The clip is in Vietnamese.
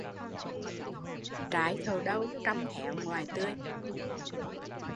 Trái thầu đâu trong héo ngoài tươi